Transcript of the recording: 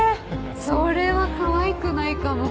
それはかわいくないかも。